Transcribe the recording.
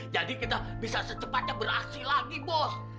jadi kita bisa secepatnya beraksi lagi bos